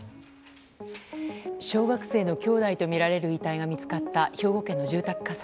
小学生の兄弟とみられる遺体が見つかった兵庫県の住宅火災。